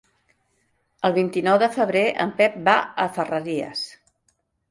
El vint-i-nou de febrer en Pep va a Ferreries.